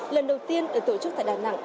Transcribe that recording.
lần đầu tiên được tổ chức tại đà nẵng